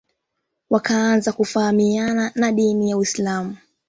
wakaanza kufahamiana na dini ya Uislam